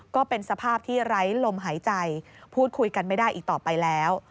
ก็เป็นสภาพที่ไร้ลมหายใจพูดคุยกันไม่ได้อีกต่อไปแล้ว